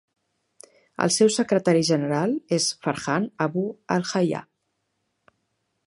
El seu secretari general és Farhan Abu Al-Hayja.